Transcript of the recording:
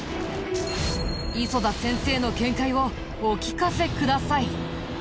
磯田先生の見解をお聞かせください。